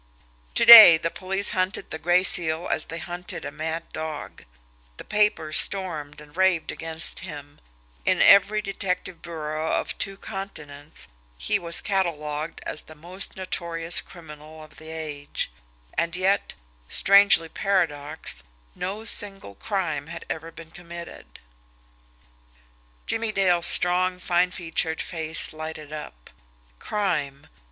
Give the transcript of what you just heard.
To day, the police hunted the Gray Seal as they hunted a mad dog; the papers stormed and raved against him: in every detective bureau of two continents he was catalogued as the most notorious criminal of the age and yet, strange paradox, no single crime had ever been committed! Jimmie Dale's strong, fine featured face lighted up. Crime!